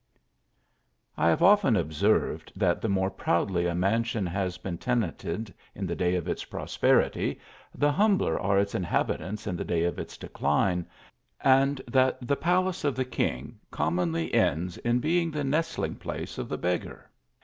I HAVE often observed that the more proudly a mansion has been tenanted in the day of its pros perity, the humbler are its inhabitants in the day of its decline, and that the palace of the king comrr.or,. \l ends in being the nestling place of th c . beggar.